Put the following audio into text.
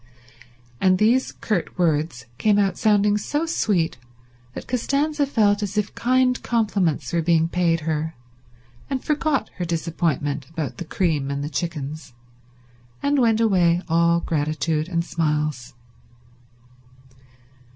And these curt words came out sounding so sweet that Costanza felt as if kind compliments were being paid her, and forgot her disappointment about the cream and the chickens, and went away all gratitude and smiles.